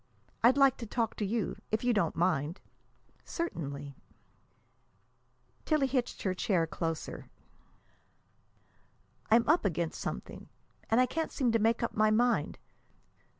I'd like to talk to you, if you don't mind." "Certainly." Tillie hitched her chair closer. "I'm up against something, and I can't seem to make up my mind.